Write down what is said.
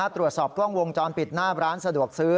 ตรวจสอบกล้องวงจรปิดหน้าร้านสะดวกซื้อ